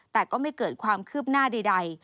แต่ก็ไม่เกิดความคืบหน้าใด